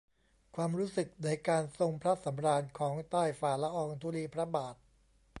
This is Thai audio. ความรู้สึกในการทรงพระสำราญของใต้ฝ่าละอองธุลีพระบาท